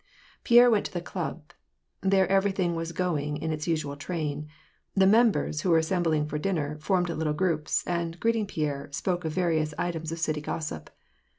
Pierre went to the club. There everything was going in its usual train : the members, who were assembling for dinner, formed little groups, and, greeting Pierre, spoke of various items of city gossip.